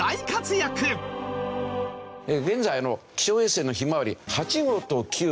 現在の気象衛星のひまわり８号と９号。